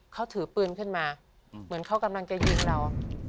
เขาถือปืนขึ้นมาเหมือนเขากำลังจะยิงเรา